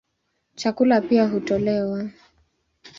Chakula pia hutolewa.